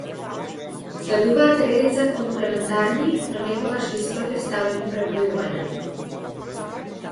Следуваат редица комплементарни, но некогаш и спротивставени пребројувања.